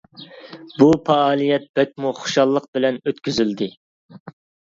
بۇ پائالىيەت بەكمۇ خۇشاللىق بىلەن ئۆتكۈزۈلدى.